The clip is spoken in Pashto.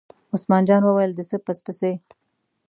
عثمان جان وویل: د څه پس پسي.